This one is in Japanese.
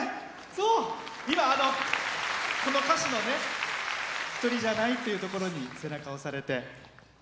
今、この歌詞の「一人じゃない」っていうところに背中を押されて。